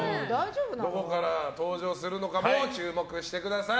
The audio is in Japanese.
どこから登場するのかも注目してください。